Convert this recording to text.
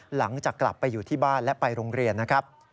หลังจากกลับไปอยู่ที่บ้านและไปโรงเรียนนะครับ